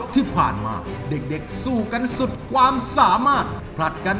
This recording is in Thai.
ที่ผ่านมาเด็กสู้กันสุดความสามารถผลัดกัน